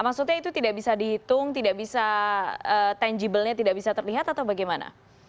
maksudnya itu tidak bisa dihitung tidak bisa tangible nya tidak bisa terlihat atau bagaimana